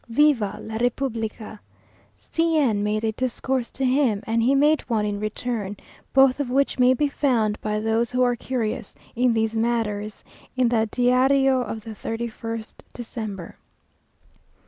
Viva la Republica! C n made a discourse to him, and he made one in return, both of which may be found by those who are curious in these matters, in the Díario of the 31st December....